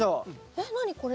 えっ何これ。